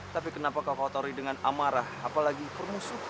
tapi kenapa kau kotori dengan amarah apalagi permusuhan